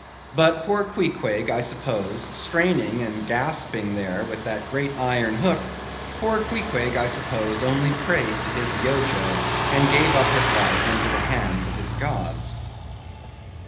But poor Queequeg, I suppose, straining and gasping there with that great iron hook—poor Queequeg, I suppose, only prayed to his Yojo, and gave up his life into the hands of his gods.